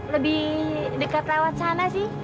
lebih dekat lewat sana sih